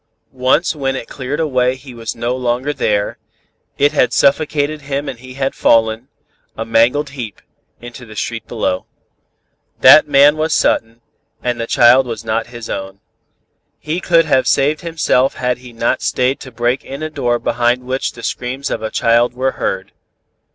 Once when it cleared away he was no longer there, it had suffocated him and he had fallen, a mangled heap, into the street below. "That man was Sutton, and the child was not his own. He could have saved himself had he not stayed to break in a door behind which the screams of the child were heard."